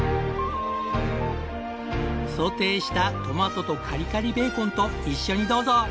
ソテーしたトマトとカリカリベーコンと一緒にどうぞ！